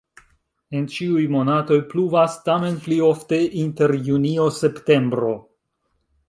En ĉiuj monatoj pluvas, tamen pli ofte inter junio-septembro.